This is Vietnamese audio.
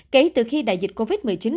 kể từ khi đại dụng đã tìm hiểu biến thể omicron